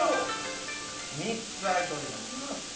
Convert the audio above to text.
３つ空いております。